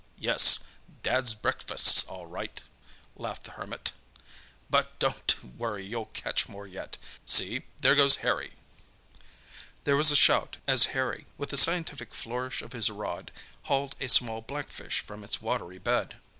"Yes, Dad's breakfast's all right," laughed the Hermit. "But don't worry, you'll catch more yet. See, there goes Harry." There was a shout as Harry, with a scientific flourish of his rod, hauled a small blackfish from its watery bed.